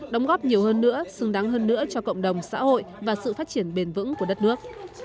đóng góp nhiều hơn nữa xứng đáng hơn nữa cho cộng đồng xã hội và sự phát triển bền vững của đất nước